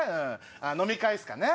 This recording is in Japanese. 飲み会ですかね。